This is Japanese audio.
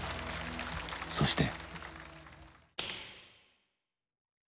そして。